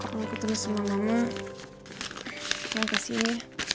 kalau aku terus sama mama makasih ya